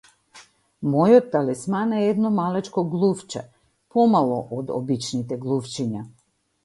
Мојот талисман е едно малечко глувче, помало од обичните глувчиња.